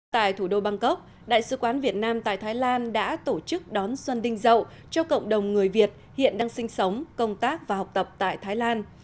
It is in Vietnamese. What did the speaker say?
tại thủ đô bangkok đại sứ quán việt nam tại thái lan đã tổ chức đón xuân đinh dậu cho cộng đồng người việt hiện đang sinh sống công tác và học tập tại thái lan